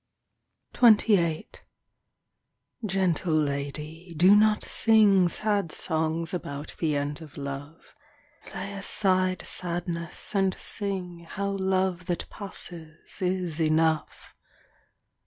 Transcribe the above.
XXVIII Gentle lady, do not sing Sad songs about the end of love ; Lay aside sadness and sing How love that passes is enough.